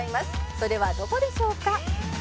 「それはどこでしょうか？」